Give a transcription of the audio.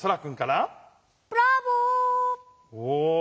お。